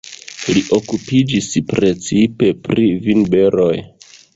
Li okupiĝis precipe pri vinberoj.